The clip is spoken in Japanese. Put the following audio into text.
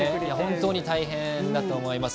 本当に大変だと思います。